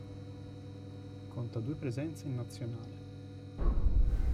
Conta due presenze in Nazionale.